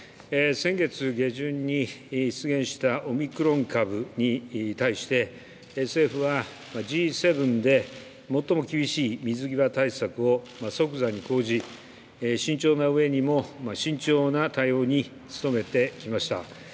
先月下旬に出現したオミクロン株に対して、政府はＧ７で、最も厳しい水際対策を即座に講じ、慎重なうえにも慎重な対応に努めてきました。